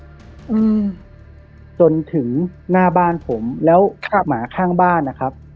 อืมจนถึงหน้าบ้านผมแล้วครับหมาข้างบ้านนะครับ